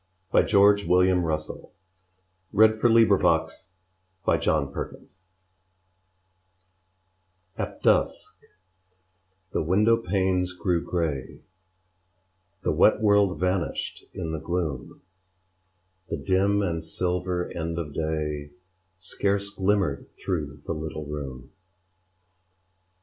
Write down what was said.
A.E. (George William Russell) Forgiveness AT DUSK the window panes grew grey; The wet world vanished in the gloom; The dim and silver end of day Scarce glimmered through the little room.